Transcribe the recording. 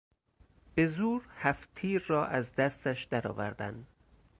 به زور هفتتیر را از دستش درآوردن